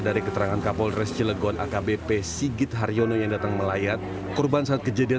dari keterangan kapolres cilegon akbp sigit haryono yang datang melayat korban saat kejadian